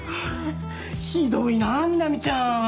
ひどいな南ちゃん。